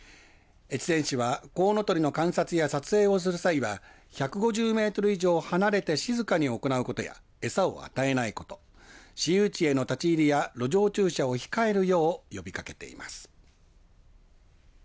越前市は、コウノトリの観察や撮影をする際は１５０メートル以上離れて静かに行うことや餌を与えないこと市有地への立ち入りや路上駐車を控えるよう呼びかけています。